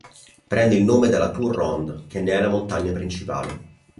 Prende il nome dalla Tour Ronde che ne è la montagna principale.